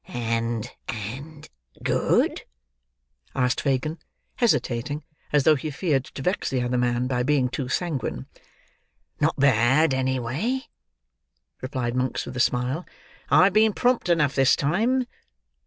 "And—and—good?" asked Fagin, hesitating as though he feared to vex the other man by being too sanguine. "Not bad, any way," replied Monks with a smile. "I have been prompt enough this time.